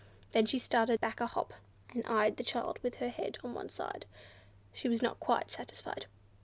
Then she started back with a hop, and eyed the child with her head on one side. She was not quite satisfied.